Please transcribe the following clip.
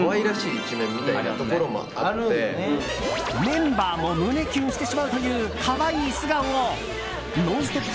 メンバーも胸キュンしてしまうという可愛い素顔を「ノンストップ！」